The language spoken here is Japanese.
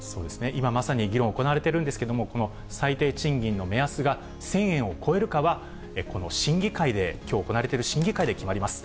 今まさに議論、行われているんですけれども、この最低賃金の目安が１０００円を超えるかは、この審議会できょう、行われている審議会で決まります。